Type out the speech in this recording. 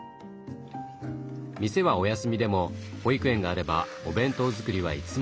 店はお休みでも保育園があればお弁当作りはいつもどおり。